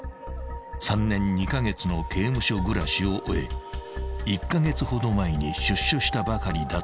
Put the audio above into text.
［３年２カ月の刑務所暮らしを終え１カ月ほど前に出所したばかりだという］